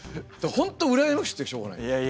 本当羨ましくてしょうがない。